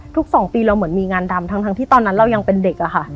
๒ปีเราเหมือนมีงานดำทั้งที่ตอนนั้นเรายังเป็นเด็กอะค่ะ